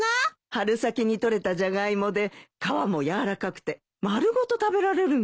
春先に採れたジャガイモで皮もやわらかくて丸ごと食べられるんだよ。